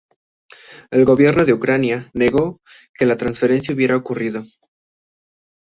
El gobierno de Ucrania negó que la transferencia hubiera ocurrido.